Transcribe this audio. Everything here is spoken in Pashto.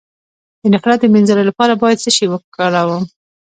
د نفرت د مینځلو لپاره باید څه شی وکاروم؟